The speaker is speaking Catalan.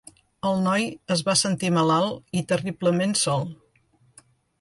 El noi es va sentir malalt i terriblement sol.